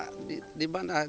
oh jelas kebingungan pak